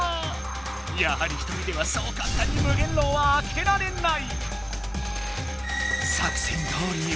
やはり１人ではそうかんたんに無限牢は開けられない。